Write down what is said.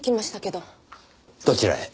どちらへ？